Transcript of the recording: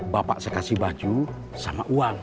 bapak saya kasih baju sama uang